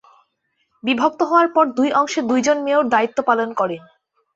বিভক্ত হওয়ার পর দুই অংশে দুইজন মেয়র দায়িত্ব পালন করেন।